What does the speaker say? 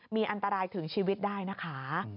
มีอันตรายถึงชีวิตได้นะคะ